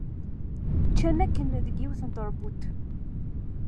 Ččan akken deg yiwet n terbut.